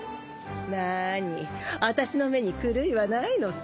覆，あたしの目に狂いはないのさ。